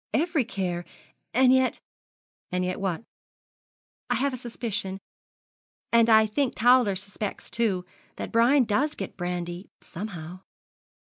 'Every care and yet ' 'And yet what?' 'I have a suspicion and I think Towler suspects too that Brian does get brandy somehow.'